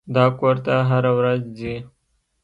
دا کور ته هره ورځ ځي.